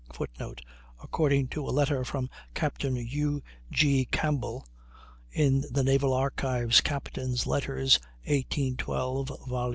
[Footnote: According to a letter from Captain Hugh G. Campbell (in the Naval Archives, "Captains' Letters," 1812, vol.